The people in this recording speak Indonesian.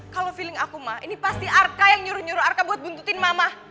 kalau feeling aku mah ini pasti arka yang nyuruh nyuruh arka buat buntutin mama